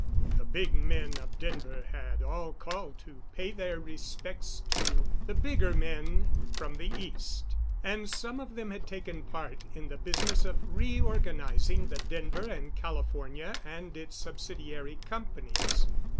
The big men of Denver had all called to pay their respects to the bigger man from the East, and some of them had taken part in the business of reorganizing the Denver and California and its subsidiary companies.